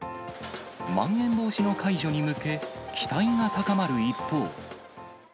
まん延防止の解除に向け、期待が高まる一方。